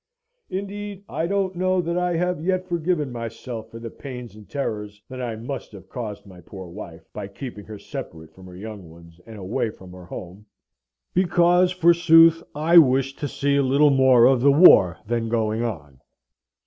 Indeed I don't know that I have yet forgiven myself for the pains and terrors that I must have caused my poor wife, by keeping her separate from her young ones, and away from her home, because, forsooth, I wished to see a little more of the war then going on.